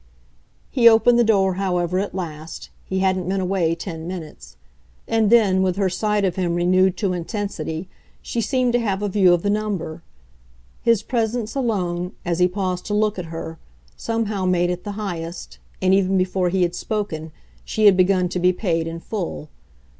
He opened the door, however, at last he hadn't been away ten minutes; and then, with her sight of him renewed to intensity, she seemed to have a view of the number. His presence alone, as he paused to look at her, somehow made it the highest, and even before he had spoken she had begun to be paid in full.